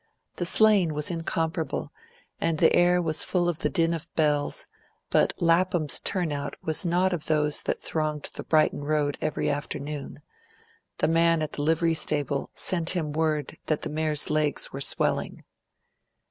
The sleighing was incomparable, and the air was full of the din of bells; but Lapham's turnout was not of those that thronged the Brighton road every afternoon; the man at the livery stable sent him word that the mare's legs were swelling.